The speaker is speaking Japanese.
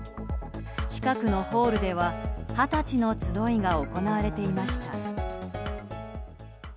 近くのホールでは二十歳の集いが行われていました。